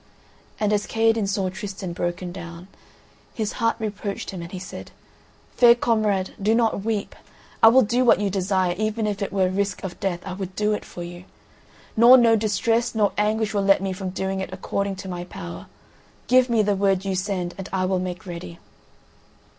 And as Kaherdin saw Tristan broken down, his heart reproached him and he said: "Fair comrade, do not weep; I will do what you desire, even if it were risk of death I would do it for you. Nor no distress nor anguish will let me from doing it according to my power. Give me the word you send, and I will make ready."